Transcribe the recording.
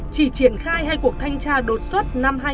chỉ triển khai hai cuộc thanh tra đột xuất